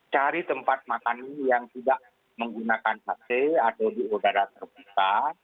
cari tempat makan yang tidak menggunakan hc atau di udara terbuka